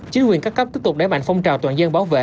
chính quyền các cấp tiếp tục đẩy mạnh phong trào toàn dân bảo vệ